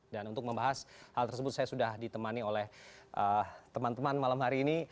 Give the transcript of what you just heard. dan untuk membahas hal tersebut saya sudah ditemani oleh teman teman malam hari ini